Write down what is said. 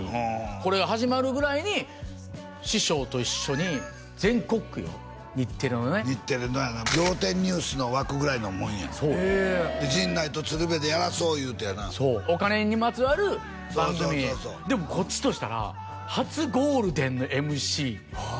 これが始まるぐらいに師匠と一緒に全国区よ日テレのね日テレのやな「仰天ニュース」の枠ぐらいのもんやへえ陣内と鶴瓶でやらそう言うてやなお金にまつわる番組そうそうそうそうでもこっちとしたら初ゴールデンのＭＣはあ